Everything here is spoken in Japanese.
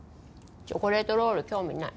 チョコレートロール興味ない。